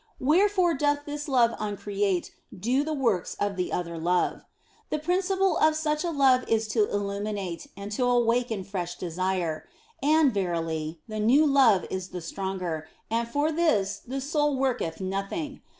Wherefore doth this love uncreate do the works of the other love. The principle of such a love is to illuminate, and to awaken fresh desire. And, verily, the new love is the stronger, and for this the soul worketh nothing.